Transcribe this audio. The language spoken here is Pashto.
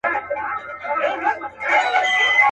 خو نه څانګه په دنیا کي میندل کېږي.